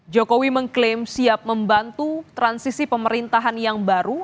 jokowi mengklaim siap membantu transisi pemerintahan yang baru